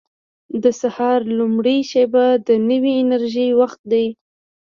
• د سهار لومړۍ شېبه د نوې انرژۍ وخت دی.